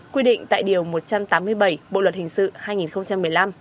quy định tại điều một trăm tám mươi bảy bộ luật hình sự hai nghìn một mươi năm